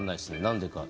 何でか。